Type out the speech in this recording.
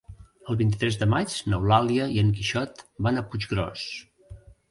El vint-i-tres de maig n'Eulàlia i en Quixot van a Puiggròs.